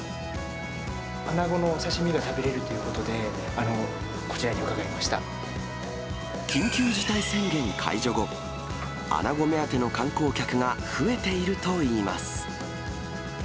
アナゴのお刺身が食べれるということで、緊急事態宣言解除後、アナゴ目当ての観光客が増えているといいます。